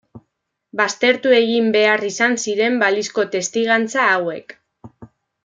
Baztertu egin behar izan ziren balizko testigantza hauek.